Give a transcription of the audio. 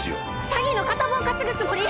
詐欺の片棒担ぐつもり？